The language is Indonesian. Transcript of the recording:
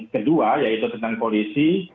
kedua yaitu tentang polisi